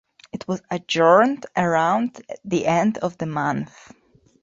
It was adjourned around the end of the month.